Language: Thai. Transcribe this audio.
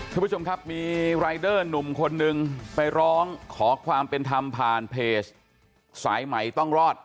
คุณผู้ชมครับมีรายเดอร์หนุ่มคนนึงไปร้องขอความเป็นธรรมผ่านเพจสายใหม่ต้องรอด